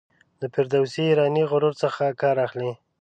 د فردوسي ایرانی غرور څخه کار اخلي.